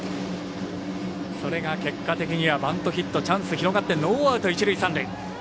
それが結果的にはバントヒット、チャンスが広がってノーアウト、一塁、三塁。